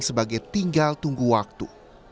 sebagai tinggal tunggu waktu